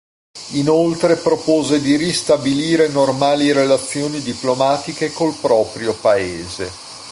Inoltre propose di ristabilire normali relazioni diplomatiche col proprio Paese.